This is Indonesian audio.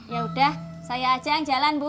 ya udah saya aja yang jalan bu